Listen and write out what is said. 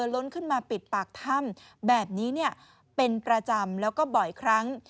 ล้นขึ้นมาปิดปากถ้ำแบบนี้เป็นประจำแล้วก็บ่อยครั้ง